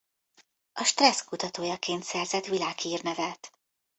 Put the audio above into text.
A stressz kutatójaként szerzett világhírnevet.